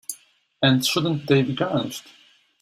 And shouldn't they be garnished?